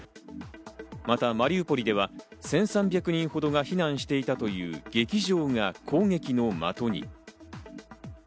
またマリウポリでは１３００人ほどが避難していたという劇場が攻撃の的に。